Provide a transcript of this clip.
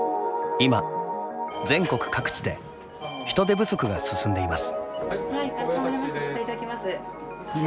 今、全国各地で人手不足が進んでいます。